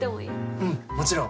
うんもちろん。